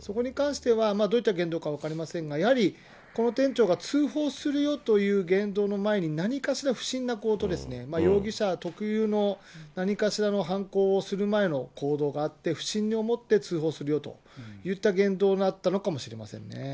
そこに関してはどういった言動か分かりませんが、やはり、この店長が通報するよという言動の前に、何かしら不審な行動、容疑者特有の、何かしらの犯行をする前の行動があって、不審に思って通報するよといった言動があったのかもしれませんね。